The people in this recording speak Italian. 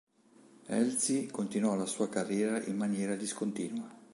Elsie continuò la sua carriera in maniera discontinua.